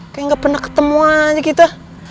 kayak gak pernah ketemu aja kita